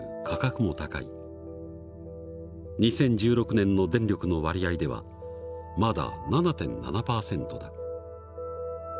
２０１６年の電力の割合ではまだ７．７％だ。